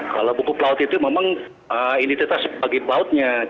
kalau buku pelaut itu memang ini kita sebagai pelautnya